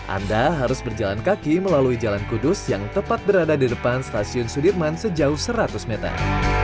anda harus berjalan kaki melalui jalan kudus yang tepat berada di depan stasiun sudirman sejauh seratus meter